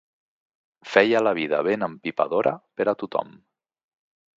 Feia la vida ben empipadora per a tothom.